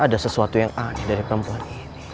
ada sesuatu yang aneh dari perempuan